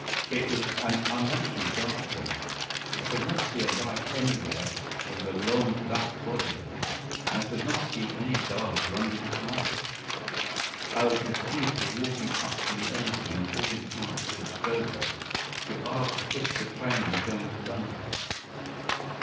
It was an unnaturally dark train; I could not see a light anywhere in the long black body of it; and I could not see any guard running beside it. I was reduced to walking up to the engine and calling out to the stoker to ask if the train was going to London.